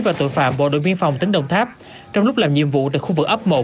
và tội phạm bộ đội biên phòng tỉnh đồng tháp trong lúc làm nhiệm vụ tại khu vực ấp một